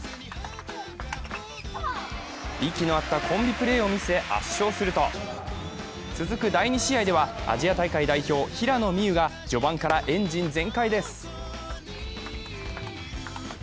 息の合ったコンビプレーを見せ、圧勝すると続く第２試合ではアジア大会代表・平野美宇が序盤からエンジン全開です。